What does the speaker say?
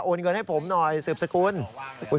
เงินให้ผมหน่อยสืบสกุล